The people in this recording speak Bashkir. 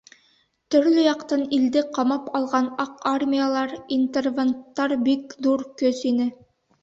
Төрлө яҡтан илде ҡамап алған аҡ армиялар, интервенттар бик ҙур көс ине.